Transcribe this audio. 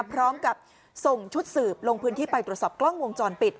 พร้อมกับส่งชุดสืบลงพื้นที่ไปตรวจสอบกล้องวงจรปิด